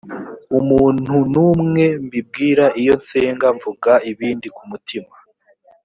umuntu n umwe mbibwira iyo nsenga mvuga ibindi ku mutima